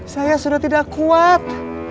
saya sudah tidak kuat